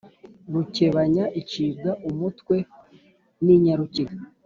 rukebanya icibwa umutwe n’inyarukiga